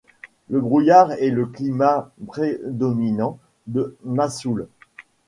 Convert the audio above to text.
Le brouillard est le climat prédominant de Masouleh.